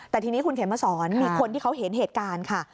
แต่ทีนี้คุณเขมสอนมีคนที่เขาเห็นเหตุการณ์ค่ะ